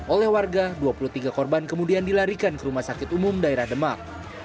oleh warga dua puluh tiga korban kemudian dilarikan ke rumah sakit umum daerah demak